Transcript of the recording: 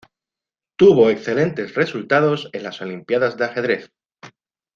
Tuvo excelentes resultados en las Olimpiadas de Ajedrez.